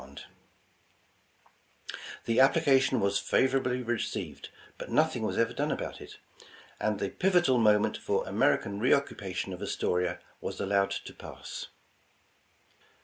226 England's Trophy The application was favorably received, but nothing was ever done about it, and the pivotal moment for American re occupation of Astoria was allowed to pass.